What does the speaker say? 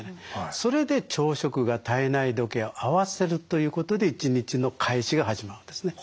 それで朝食が体内時計を合わせるということで一日の開始が始まるんですね。